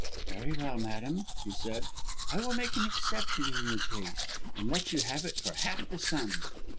"Very well, madam," he said, "I will make an exception in your case, and let you have it for half the sum."